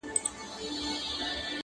• له ګلفامه سره لاس کي ېې جام راوړ..